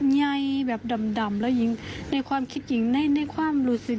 ใยแบบดำแล้วหญิงในความคิดหญิงในความรู้สึก